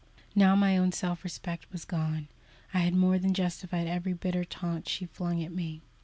Now my own self respect was gone, and I had more than justified every bitter taunt she flung at me.